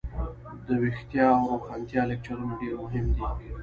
دویښتیا او روښانتیا لکچرونه ډیر مهم دي.